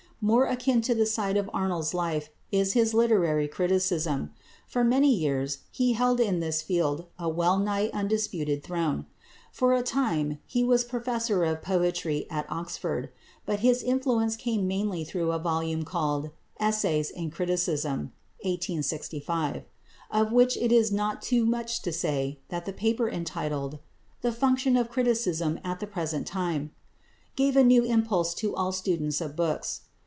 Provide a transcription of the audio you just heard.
More akin to that side of Arnold's life is his literary criticism. For many years he held in this field a well nigh undisputed throne. For a time he was Professor of Poetry at Oxford. But his influence came mainly through a volume called "Essays in Criticism" (1865), of which it is not too much to say that the paper entitled "The Function of Criticism at the Present Time," gave a new impulse to all students of books.